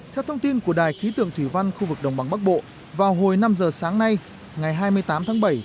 theo thông tin của đài khí tượng thủy văn khu vực đồng bằng bắc bộ vào hồi năm giờ sáng nay ngày hai mươi tám tháng bảy